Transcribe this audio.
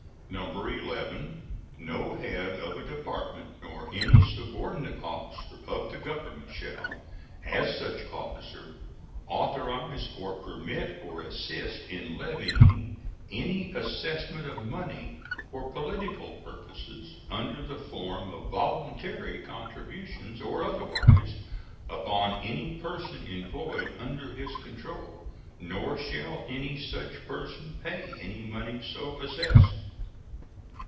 11. No head of a Department nor any subordinate officer of the Government shall, as such officer, authorize or permit or assist in levying any assessment of money for political purposes, under the form of voluntary contributions or otherwise, upon any person employed under his control, nor shall any such person pay any money so assessed.